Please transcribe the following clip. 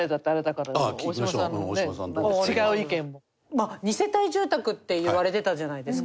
まあ２世帯住宅って言われてたじゃないですか。